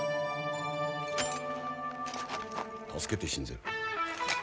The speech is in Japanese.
助けてしんぜる。